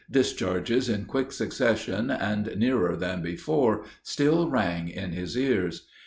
Discharges in quick succession, and nearer than before, still rang in his ears.